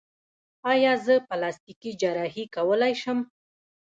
ایا زه پلاستیکي جراحي کولی شم؟